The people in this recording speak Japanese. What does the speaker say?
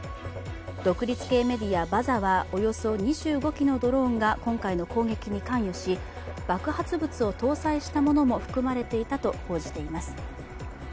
独立系メディア・バザはおよそ２５機のドローンが今回の攻撃に関与し、爆発物を搭載したものも含まれていたと報じています。